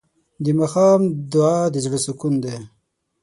د ماښام دعا د زړه سکون دی.